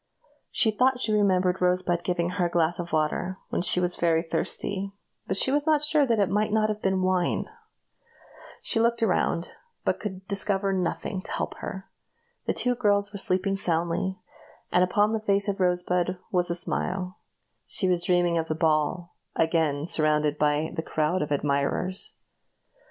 She thought she remembered Rosebud giving her a glass of water when she was very thirsty, but she was not sure that it might not have been wine. She looked around, but could discover nothing to help her. The two girls were sleeping soundly, and upon the face of Rosebud there was a smile. She was dreaming of the ball again surrounded by a crowd of admirers.